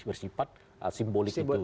bersifat simbolik gitu